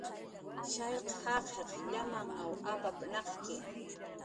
"Shallq jaqiq llamanw apap"" apnaq""ki"